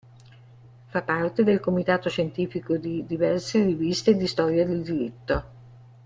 Fa parte del comitato scientifico di diverse riviste di storia del diritto.